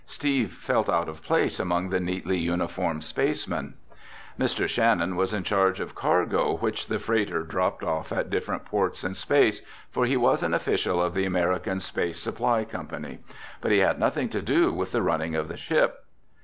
Steve felt out of place among the neatly uniformed spacemen. Mr. Shannon was in charge of cargo which the freighter dropped off at different ports in space, for he was an official of the American Space Supply Company. But he had nothing to do with the running of the ship.